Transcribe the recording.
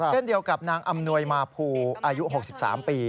เช่นเดียวกับนางอำนวยมาภูอายุ๖๓ปี